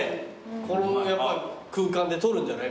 この空間で撮るんじゃない？